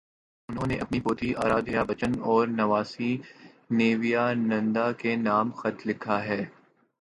انہوں نے اپنی پوتی ارادھیابچن اور نواسی نیویا ننداکے نام خط لکھا ہے۔